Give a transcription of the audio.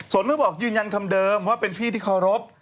นก็บอกยืนยันคำเดิมว่าเป็นพี่ที่เคารพ